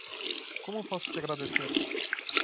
Como posso te agradecer?